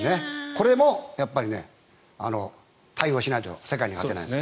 これも対応しないと世界には勝てないです。